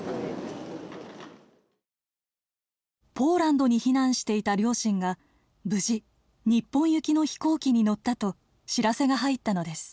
ポーランドに避難していた両親が無事日本行きの飛行機に乗ったと知らせが入ったのです。